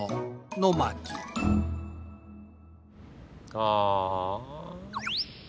ああ。